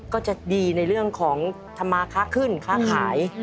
ก็จะดีในเรื่องของธรรมาคะขึ้นค้าขาย